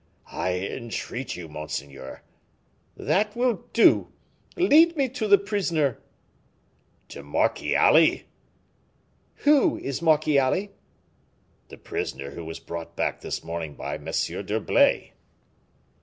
"I entreat you, monseigneur " "That will do. Lead me to the prisoner." "To Marchiali?" "Who is Marchiali?" "The prisoner who was brought back this morning by M. d'Herblay."